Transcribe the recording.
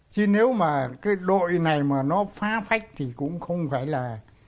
chứ nếu mà cái đội này mà nó phá phách thì cũng không phải là